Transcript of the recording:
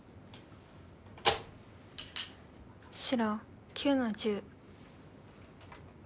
白９の十。